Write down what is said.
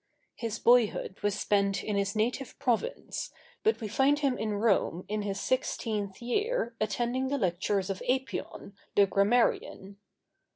His boyhood was spent in his native province, but we find him in Rome in his sixteenth year attending the lectures of Apion, the grammarian.